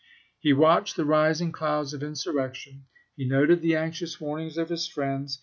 He watched the rising clouds of insurrection ; he noted the anxious warnings of his friends.